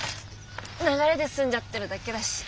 流れで住んじゃってるだけだし。